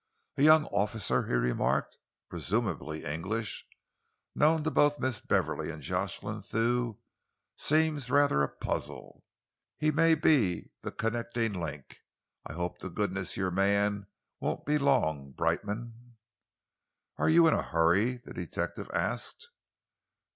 "A young officer," he remarked, "presumably English, known to both Miss Beverley and Jocelyn Thew, seems rather a puzzle. He may be the connecting link. I hope to goodness your man won't be long, Brightman." "Are you in a hurry?" the detective asked.